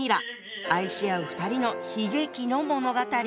愛し合う２人の悲劇の物語。